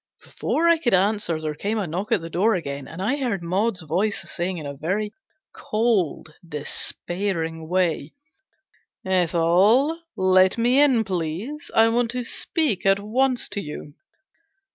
Before I could answer there came a knock at the door again, and I heard Maud's voice saying, in a very cold, despairing way, " Ethel, let me in, please : I want to speak at once with you